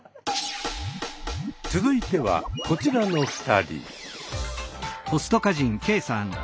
続いてはこちらの２人。